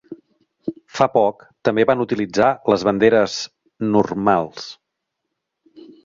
Fa poc també van utilitzar les banderes "normals".